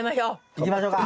いきましょうか。